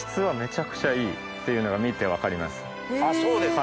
っていうのが見て分かります。